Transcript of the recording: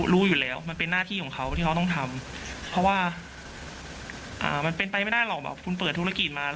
รู้อยู่แล้วมันเป็นหน้าที่ของเขาที่เขาต้องทำเพราะว่ามันเป็นไปไม่ได้หรอกแบบคุณเปิดธุรกิจมา